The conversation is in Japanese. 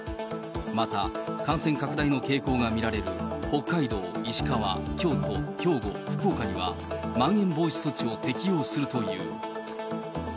また、感染拡大の傾向が見られる北海道、石川、京都、兵庫、福岡には、まん延防止措置を適用するという。